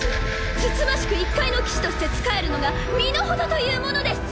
つつましく一介の騎士として仕えるのが身の程というものです！